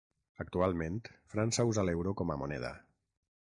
Actualment, França usa l'euro com a moneda.